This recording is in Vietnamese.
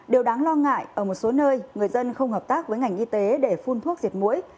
điều đáng lo ngại ở một số nơi người dân không hợp tác với ngành y tế để phun thuốc diệt mũi